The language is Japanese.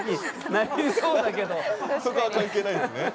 そこは関係ないんですね。